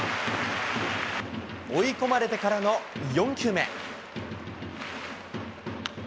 追い込まれてからの４球目。